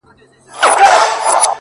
را روان په شپه كــــي ســـېــــــل دى-